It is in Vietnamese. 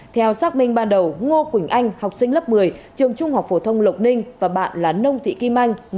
theo xác minh ban đầu ngô quỳnh anh học sinh lớp một mươi trường trung học phổ thông lộc ninh và bạn là nông thị kim anh